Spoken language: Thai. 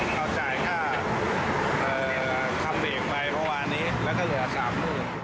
คำเด็กใหม่เพราะว่าอันนี้แล้วก็เหลือ๓๐๐๐๐บาท